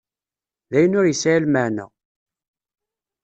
d ayen ur yesεi lmeεna.